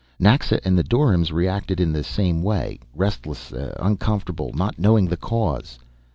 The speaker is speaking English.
Naxa and the doryms reacted in the same way, restlessly uncomfortable, not knowing the cause.